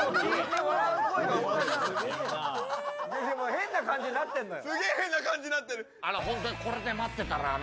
変な感じになってんのよ。